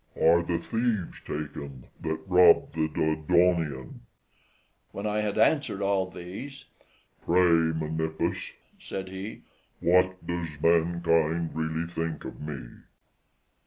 are the thieves taken that robbed the Dodonaean?" When I had answered all these, "Pray, Menippus," said he, "what does mankind really think of me?"